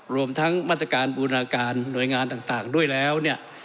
รวมทั้งมาตรการบูรณาการหน่วยงานต่างด้วยแล้วเนี่ย